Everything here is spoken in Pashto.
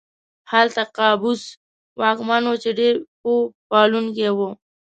هلته قابوس واکمن و چې ډېر پوه پالونکی و.